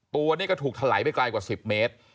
ตัวนี้ก็ถูกถลายไปไกลกว่า๑๐เมตร